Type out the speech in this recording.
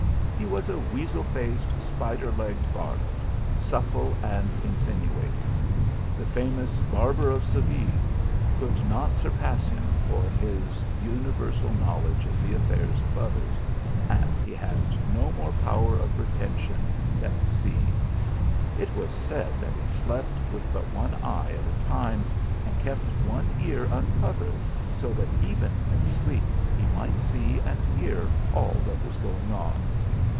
He was a weasel faced, spider legged varlet, supple and insinuating ; the famous Barber of Seville could not surpass him for his uni versal knowledge of the affairs of others, and he had no more power of retention than a sieve. It was said that he slept with but one eye at a time, and kept one ear uncovered, so that, even in his sleep, he might see and hear all that was going on.